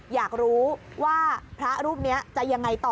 อยากรู้ว่าพระรูปนี้จะยังไงต่อ